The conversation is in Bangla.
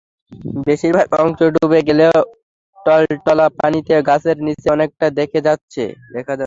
বেশির ভাগ অংশ ডুবে গেলেও টলটলা পানিতে গাছের নিচের অনেকটাই দেখা যাচ্ছে।